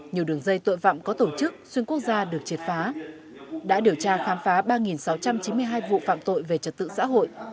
nhiều đường dây tội phạm có tổ chức xuyên quốc gia được triệt phá đã điều tra khám phá ba sáu trăm chín mươi hai vụ phạm tội về trật tự xã hội